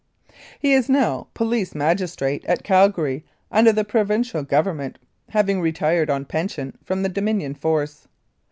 He is now police magistrate at Calgary under the Provincial Government, having retired on pension from the Dominion Force.